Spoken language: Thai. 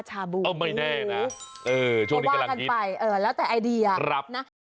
วาวุ้นจริง